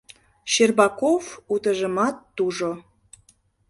— Щербаков утыжымат тужо.